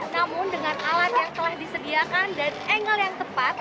namun dengan alat yang telah disediakan dan angle yang tepat